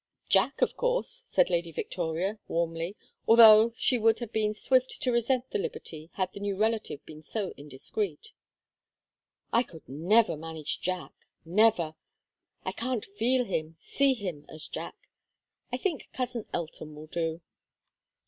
"Jack, of course," said Lady Victoria, warmly, although she would have been swift to resent the liberty had the new relative been so indiscreet. "I never could manage Jack never! I can't feel, see him, as Jack. I think Cousin Elton will do."